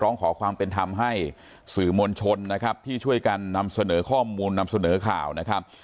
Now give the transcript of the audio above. ร้องขอความเป็นธรรมให้สื่อมวลชนนะครับที่ช่วยกันนำเสนอข้อมูลนำเสนอข่าวนะครับ